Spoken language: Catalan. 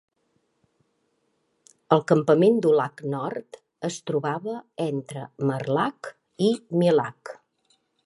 El campament Dulag Nord es trobava entre "Marlag" i "Milag".